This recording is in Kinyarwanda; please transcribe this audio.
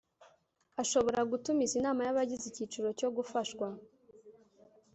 Ashobora gutumiza inama y’abagize icyiciro cyo gufashwa